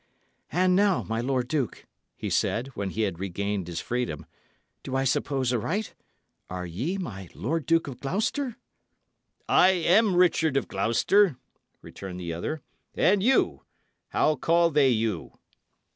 "And now, my lord duke," he said, when he had regained his freedom, "do I suppose aright? Are ye my Lord Duke of Gloucester?" "I am Richard of Gloucester," returned the other. "And you how call they you?"